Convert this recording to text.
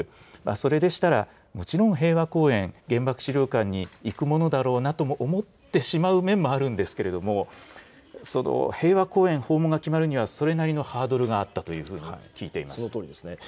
それでしたらもちろん、平和公園、原爆資料館に行くものだろうなと思ってしまう面もあるんですけれども、平和公園訪問が決まるにはそれなりのハードルがあったといそのとおりですね。